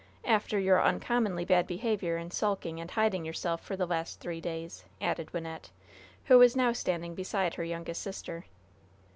"After your uncommonly bad behavior in sulking and hiding yourself for the last three days," added Wynnette, who was now standing beside her youngest sister.